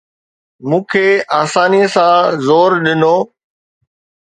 مون کي آساني سان زور ڏنو